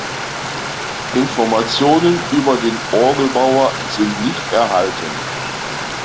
Informationen über den Orgelbauer sind nicht erhalten.